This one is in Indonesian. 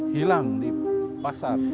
hilang di pasar